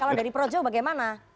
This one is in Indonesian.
kalau dari projo bagaimana